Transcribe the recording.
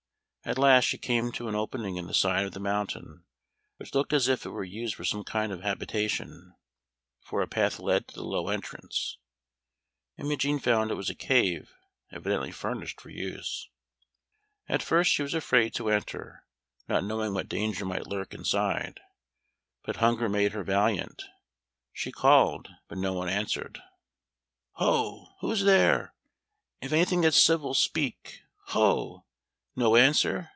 At last she came to an opening in the side of the mountain, which looked as if it were used for some kind of habitation, for a path led to the low entrance. Imogen found it was a cave, evidently furnished for use. At first she was afraid to enter, not knowing what danger might lurk inside, but hunger made her valiant. She called, but no one answered. "Ho! Who's there? If anything that's civil, speak. Ho! No answer?